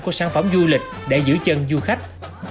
của sản phẩm du lịch để giữ chân du khách